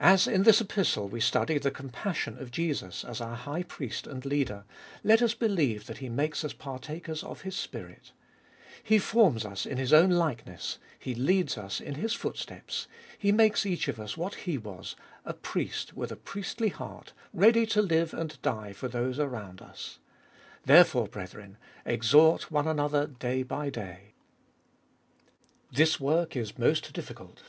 As in this Epistle we study the compassion of Jesus, as our High Priest and Leader, let us believe that He makes us partakers of His Spirit He forms us in His own likeness, He leads us in His footsteps, He makes each of us what He was, a Priest with a priestly heart ready to live and die for those around us. There fore, brethren, exhort one another day by day. 1. This work is most difficult.